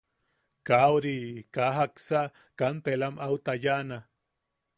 ¿Kaa... ori... kaa jaksa kantelam au tayaʼana?